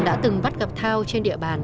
đã từng bắt gặp thao trên địa bàn